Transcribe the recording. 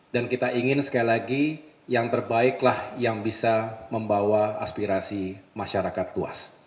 dan kita ingin sekali lagi yang terbaiklah yang bisa membawa aspirasi masyarakat luas